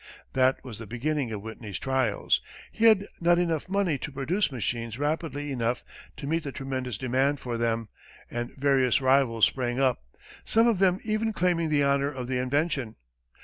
That was the beginning of Whitney's trials. He had not enough money to produce machines rapidly enough to meet the tremendous demand for them, and various rivals sprang up, some of them even claiming the honor of the invention.